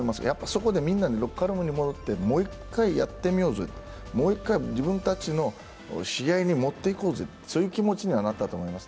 そこでみんな、ロッカールームに戻って、もう一回やってみようぜ、もう一回自分たちの試合に持っていこうぜ、そういう気持ちにはなったと思います。